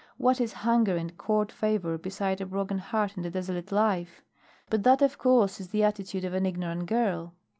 What is hunger and court favor beside a broken heart and a desolate life? But that of course is the attitude of an ignorant girl."